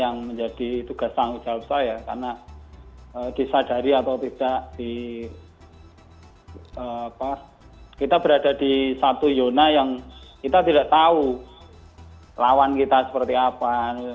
yang menjadi tugas tanggung jawab saya karena disadari atau tidak kita berada di satu yona yang kita tidak tahu lawan kita seperti apa